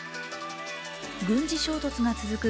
軍事衝突が続く